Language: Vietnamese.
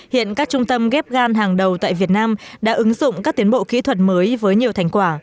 hiện các trung tâm ghép gan hàng đầu tại việt nam đã ứng dụng các tiến bộ kỹ thuật mới với nhiều thành quả